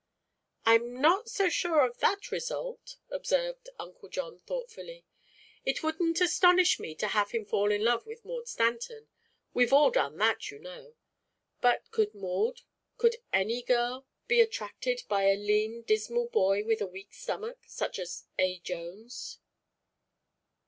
"I'm not so sure of that result," observed Uncle John thoughtfully. "It wouldn't astonish me to have him fall in love with Maud Stanton; we've all done that, you know; but could Maud could any girl be attracted by a lean, dismal boy with a weak stomach, such as A. Jones?"